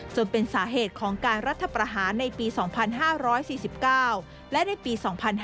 จนเป็นสาเหตุของการรัฐประหารในปี๒๕๔๙และในปี๒๕๕๙